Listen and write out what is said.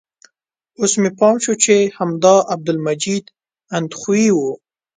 اوس مې پام شو چې همدا عبدالمجید اندخویي و.